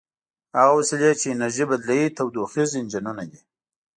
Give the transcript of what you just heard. هغه وسیلې چې انرژي بدلوي تودوخیز انجنونه دي.